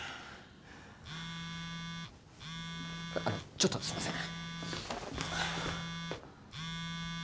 ちょっとすいません。